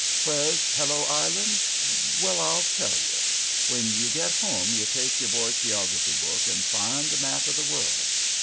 Where's Hello Island? Well, I'll tell you. When you get home you take your boy's geography book and find the map of the world.